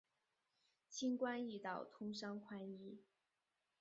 轻关易道，通商宽衣。